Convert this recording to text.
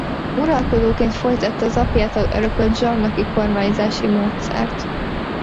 Uralkodóként folytatta az apjától örökölt zsarnoki kormányzási módszert.